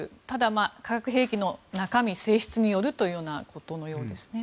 ただ、化学兵器の中身、性質によるということのようです。